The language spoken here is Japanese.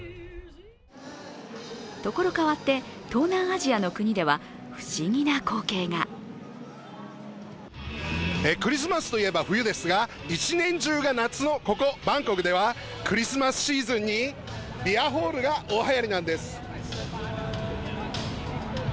所変わって、東南アジアの国では不思議な光景がクリスマスといえば冬ですが、１年中が夏のここバンコクではクリスマスシーズンにビアホールが大はやりなんです。